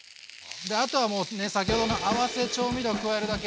あとはもう先ほどの合わせ調味料加えるだけ。